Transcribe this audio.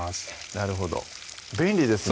なるほど便利ですね